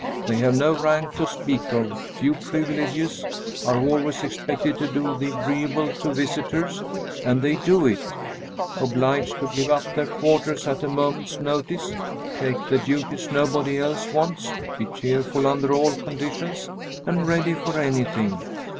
They have no rank to speak of, few privileges, are always expected to do the agreeable to visitors (and they do it), obliged to give up their quarters at a moment's notice, take the duties nobody else wants, be cheerful under all conditions, and ready for anything.